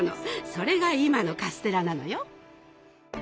それが今のカステラなのよ。